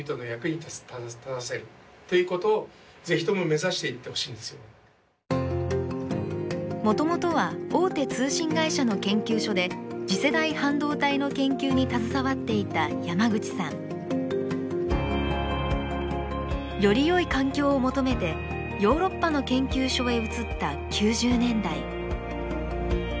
そう指摘するのはもともとは大手通信会社の研究所で次世代半導体の研究に携わっていた山口さん。よりよい環境を求めてヨーロッパの研究所へ移った９０年代。